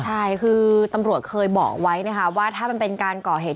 ใช่คือตำรวจเคยบอกไว้นะคะว่าถ้ามันเป็นการก่อเหตุ